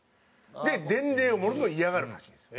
で伝令をものすごい嫌がるらしいんですよ。